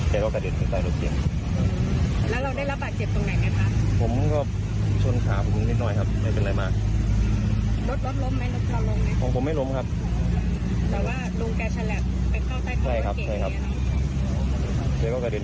แล้วก็กระเด็นไปแล้วก็เก่งเขาตามทางมาก็เบรกไม่ทัน